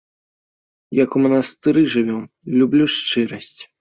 Як у манастыры жывём, люблю шчырасць!